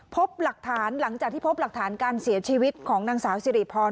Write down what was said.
พบหลักฐานหลังจากที่พบหลักฐานการเสียชีวิตของนางสาวสิริพร